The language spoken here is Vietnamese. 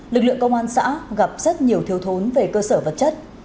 lực lượng công an xã gặp rất nhiều thiếu thốn về cơ sở vật chất